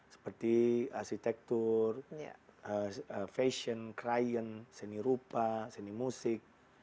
seperti arsitektur fashion klien seni rupa seni musik